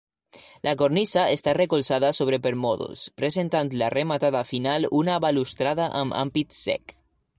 La cornisa està recolzada sobre permòdols, presentant la rematada final una balustrada amb ampit cec.